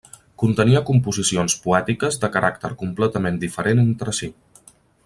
Contenia composicions poètiques de caràcter completament diferent entre si.